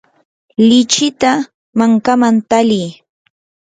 lichikita mankaman tali.